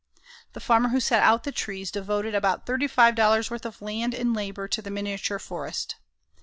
The farmer who set out the trees devoted about $35 worth of land and labor to the miniature forest.